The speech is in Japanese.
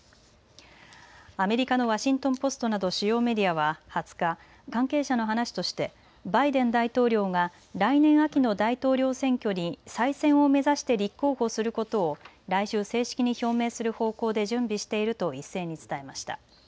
アメリカのワシントン・ポストなど主要メディアは２０日、関係者の話としてバイデン大統領が来年秋の大統領選挙に再選を目指して立候補することを来週、正式に表明する方向で準備していると一斉に伝えました。